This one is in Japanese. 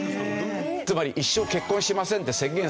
つまり一生結婚しませんって宣言する。